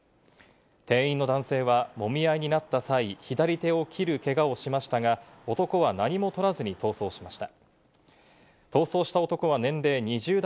店員の男性はもみ合いになった際、左手を切るけがをしましたが、男は何も取らずに逃走しました。